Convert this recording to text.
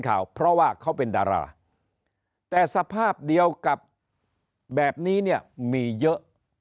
ข่าวเพราะว่าเขาเป็นดาราแต่สภาพเดียวกับแบบนี้เนี่ยมีเยอะ